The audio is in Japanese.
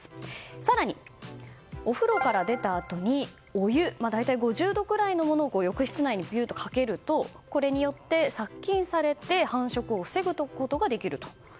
更に、お風呂から出たあとに大体５０度くらいのお湯を浴室内にかけると、殺菌されて繁殖を防ぐことができると。